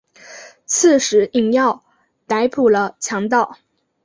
刺史尹耀逮捕了强盗。